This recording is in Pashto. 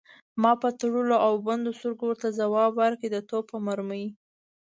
ما په تړلو او بندو سترګو ورته ځواب ورکړ: د توپ په مرمۍ.